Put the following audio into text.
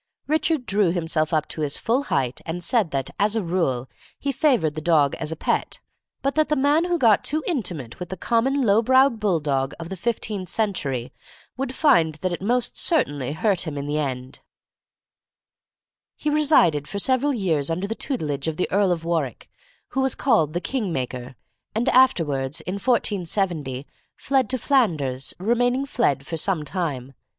Richard drew himself up to his full height, and said that, as a rule, he favored the dog as a pet, but that the man who got too intimate with the common low browed bull dog of the fifteenth century would find that it must certainly hurt him in the end. [Illustration: THE MAN WHO GOT TOO INTIMATE WITH THE COMMON LOW BROWED BULL DOG.] He resided for several years under the tutelage of the Earl of Warwick, who was called the "Kingmaker," and afterwards, in 1470, fled to Flanders, remaining fled for some time.